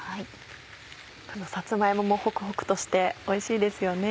このさつま芋もホクホクとしておいしいですよね。